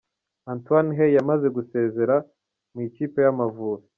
Antoine Hey yamaze gusezera mu ikipe ya Amavubi.